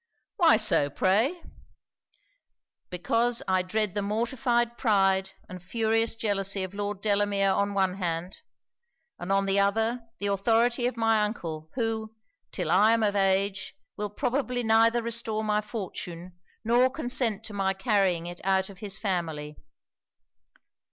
'Why so, pray?' 'Because I dread the mortified pride and furious jealousy of Lord Delamere on one hand; and on the other the authority of my uncle, who, 'till I am of age, will probably neither restore my fortune nor consent to my carrying it out of his family.'